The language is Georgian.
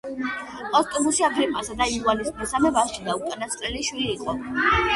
პოსტუმუსი აგრიპასა და იულიას მესამე ვაჟი და უკანასკნელი შვილი იყო.